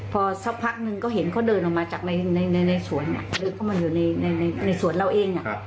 พอสักพักนึงก็เห็นเขาเดินออกมาจากในสวนเดินเข้ามาอยู่ในสวนเราเอง